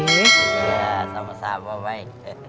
ya sama sama mai